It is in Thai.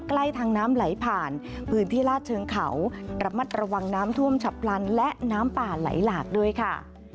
ใกล้ทางน้ำไหลผ่านพื้นที่ลาดเชิงเขาระมัดระวังน้ำท่วมฉับพลันและน้ำป่าไหลหลากด้วยค่ะ